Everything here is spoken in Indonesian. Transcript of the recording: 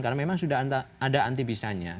karena memang sudah ada anti bisanya